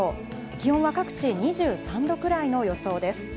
気温は各地２３度くらいの予想です。